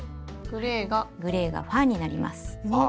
グレーがファーになります。